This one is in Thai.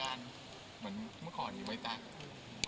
เหมือนเมื่อก่อนอยู่ไว้ตั๊ก